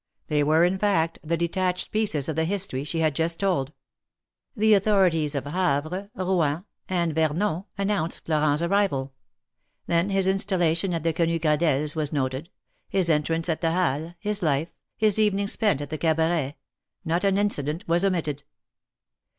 They were, in fact, the detached pieces of the history she had just told. The authorities of Havre, Kouen, and Vernon announced Florent's arrival. Then his installation at the Quenu Gradelles' was noted, his entrance at the Halles, his life, his evenings spent at the Cabaret — not an incident was omitted.